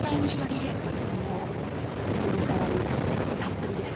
もう見るからにたっぷりです。